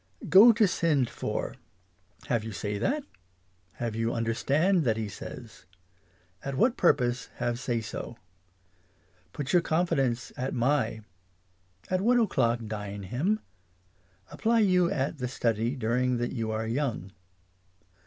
Go to send for. Have you say that ? Have you understand that he says ? At what purpose have say so ? Put your confidence at my. At what o'clock dine him ? Apply you at the study during that you are young.